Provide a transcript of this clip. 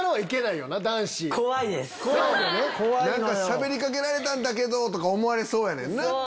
しゃべりかけられたんだけどとか思われそうやねんな！